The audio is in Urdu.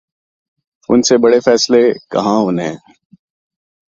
ان سے بڑے فیصلے کہاں ہونے ہیں۔